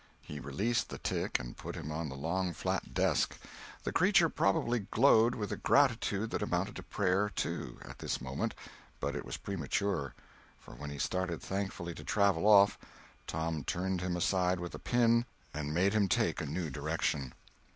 He released the tick and put him on the long flat desk. The creature probably glowed with a gratitude that amounted to prayer, too, at this moment, but it was premature: for when he started thankfully to travel off, Tom turned him aside with a pin and made him take a new direction.